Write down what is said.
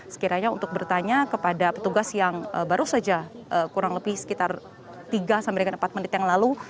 sekiranya untuk bertanya kepada petugas yang baru saja kurang lebih sekitar tiga sampai dengan empat menit yang lalu